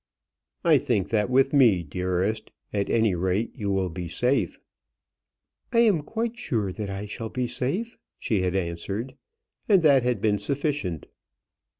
"I think that with me, dearest, at any rate, you will be safe." "I am quite sure that I shall be safe," she had answered. And that had been sufficient.